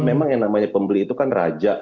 memang yang namanya pembeli itu kan raja